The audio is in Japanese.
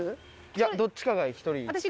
いやどっちかが１人。